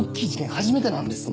初めてなんですもん。